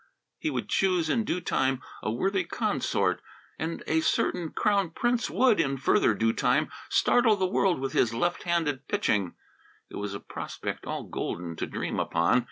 He would choose, in due time, a worthy consort, and a certain Crown Prince would, in further due time, startle the world with his left handed pitching. It was a prospect all golden to dream upon.